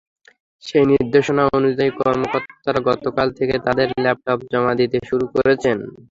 সেই নির্দেশনা অনুযায়ী, কর্মকর্তারা গতকাল থেকে তাঁদের ল্যাপটপ জমা দিতে শুরু করেছেন।